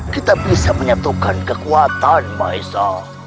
kita bisa menyatukan kekuatan maisa